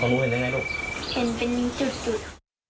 เขารู้เห็นยังไงลูกเห็นเป็นอย่างนี้จุด